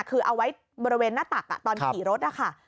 คือเอาไว้บริเวณหน้าตักตอนขี่รถนะคะ